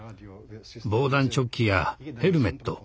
防弾チョッキやヘルメット